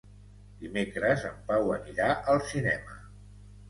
Dimecres en Pau anirà al cinema.